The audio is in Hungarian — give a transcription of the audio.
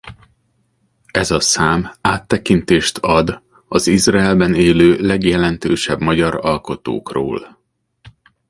Ez a szám áttekintést ad az Izraelben élő legjelentősebb magyar alkotókról.